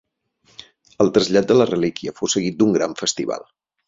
El trasllat de la relíquia fou seguit d'un gran festival.